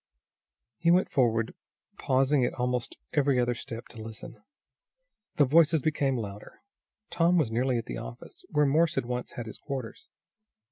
He went forward, pausing at almost every other step to listen. The voices became louder. Tom was now nearly at the office, where Morse had once had his quarters.